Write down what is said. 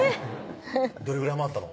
どれぐらい回ったの？